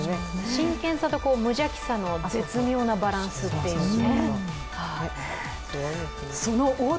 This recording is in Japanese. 真剣さと無邪気さの絶妙なバランスっていうね。